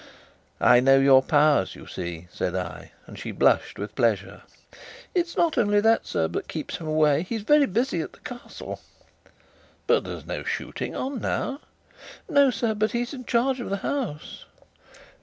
"I know your powers, you see," said I, and she blushed with pleasure. "It's not only that, sir, that keeps him away. He's very busy at the Castle." "But there's no shooting on now." "No, sir; but he's in charge of the house."